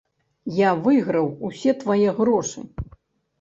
Я выйграў усе твае грошы.